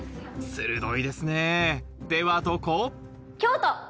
鋭いですねではどこ？